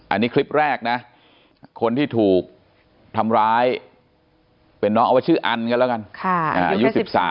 อันนี้คลิปแรกนะคนที่ถูกทำร้ายเป็นน้องเอาว่าชื่ออันกันแล้วกันอายุ๑๓